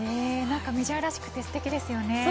メジャーらしくてすてきですよね。